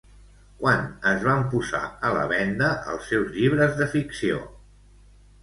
Quan es van posar a la venda els seus llibres de ficció?